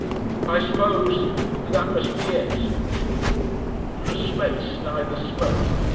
"I suppose ... that must be it." For a space neither spoke.